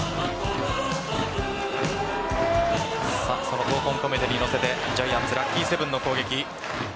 その「闘魂こめて」に乗せてジャイアンツラッキーセブンの攻撃。